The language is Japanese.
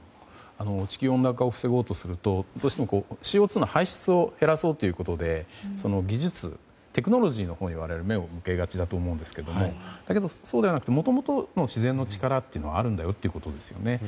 地球温暖化を防ごうとするとどうしてもＣＯ２の排出を減らそうということで技術、テクノロジーのほうに我々は目を向けがちですがだけどそうではなくてもともとの自然の力はあるんだよということですよね。